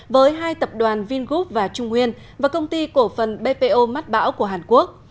với hai tập đoàn vingroup và trung nguyên và công ty cổ phần bpo mắt bão của hàn quốc